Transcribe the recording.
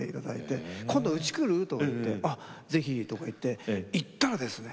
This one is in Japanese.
「今度うち来る？」とか言って「あ是非」とか言って行ったらですね